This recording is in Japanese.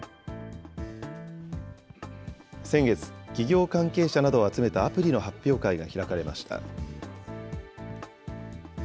先月、企業関係者などを集めたアプリの発表会が開かれました。